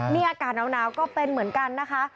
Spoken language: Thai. นี่อากาศหนาวก็เป็นเหมือนกันนะคะ